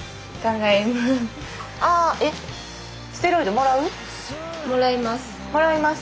もらいます？